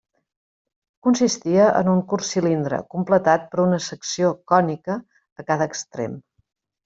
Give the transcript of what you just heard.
Consistia en un curt cilindre completat per una secció cònica a cada extrem.